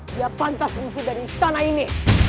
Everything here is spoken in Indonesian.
dia pantas muncul dari istana ini